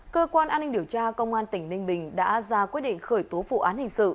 cơ quan an ninh điều tra công an tp hcm đã ra quyết định khởi tố vụ án hình sự